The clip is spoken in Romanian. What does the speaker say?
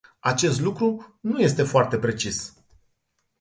Acest lucru nu este foarte precis.